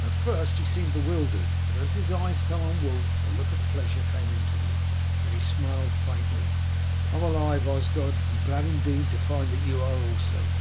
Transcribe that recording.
At first he seemed bewildered, but as his eyes fell on Wulf a look of pleasure came into them, and he smiled faintly. "I am alive, Osgod, and glad indeed to find that you are also.